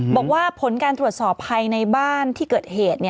บอกว่าผลการตรวจสอบภายในบ้านที่เกิดเหตุ